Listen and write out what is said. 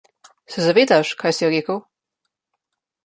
Se zavedaš kaj si rekel?